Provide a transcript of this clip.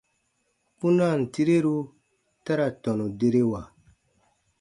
Kpunaan tireru ta ra tɔnu derewa.